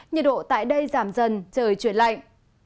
nhiệt độ tại đây giảm dần trời chuyển lạnh